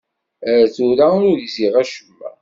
Ar tura ur gziɣ acemma.